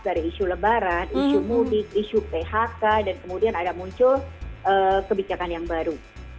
dari isu lebaran isu mudik isu phk dan kemudian ada muncul kebijakan yang baru